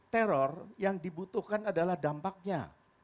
teror yang dibutuhkan adalah dampaknya